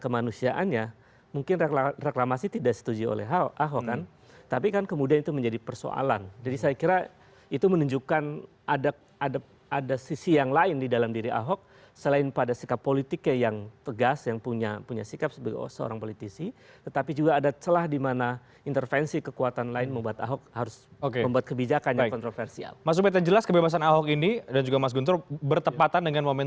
malah dijadikan sebagai tim pemenangan